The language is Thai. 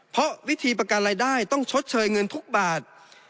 เพราะวิธีประกันรายได้ต้องชดเชยเงินทุกบาท